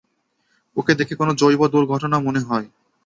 ওকে দেখে কোনো জৈব দুর্ঘটনা মনে হয়।